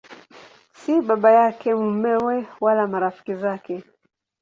Si baba yake, mumewe wala marafiki zake.